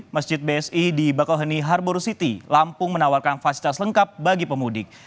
masjid bsi di bakauheni harboro city lampung menawarkan fasilitas lengkap bagi pemudik